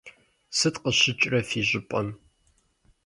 Сыт къыщыкӏрэ фи щӏыпӏэм?